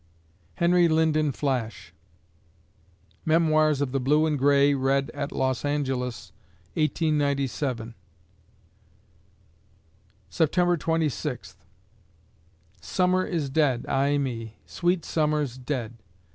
HENRY LYNDEN FLASH Memoirs of the Blue and Gray read at Los Angeles, 1897 September Twenty Sixth Summer is dead, ay me! Sweet summer's dead!